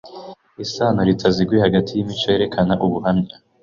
isano ritaziguye hagati y' imico yerekana ubuhamya